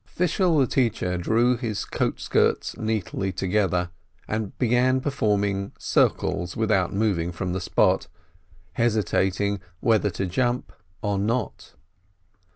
Fishel the teacher drew his coat skirts neatly together, and began to perform circles without moving from the spot, hesitating whether to jump or not.